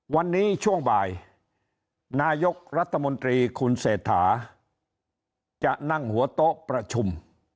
วันนี้ช่วงบ่ายนายกรัฐมนตรีคุณเศรษฐาจะนั่งหัวโต๊ะประชุม